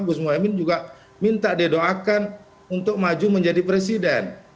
gus muhaymin juga minta didoakan untuk maju menjadi presiden